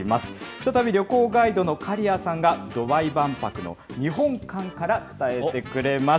再び旅行ガイドのカリアさんが、ドバイ万博の日本館から伝えてくれます。